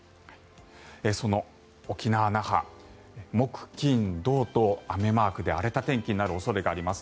その沖縄・那覇、木金土と雨マークで荒れた天気になる恐れがあります。